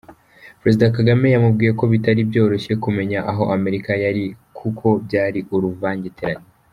Perezida Kagame yamubwiye ko bitari byoroshye kumenya aho Amerika yari kuko byari uruvangitirane.